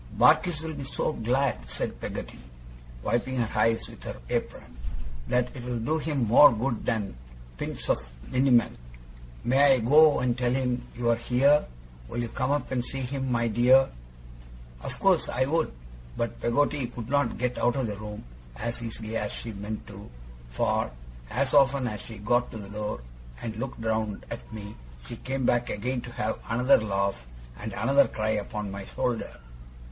'Barkis will be so glad,' said Peggotty, wiping her eyes with her apron, 'that it'll do him more good than pints of liniment. May I go and tell him you are here? Will you come up and see him, my dear?' Of course I would. But Peggotty could not get out of the room as easily as she meant to, for as often as she got to the door and looked round at me, she came back again to have another laugh and another cry upon my shoulder.